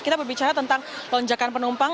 kita berbicara tentang lonjakan penumpang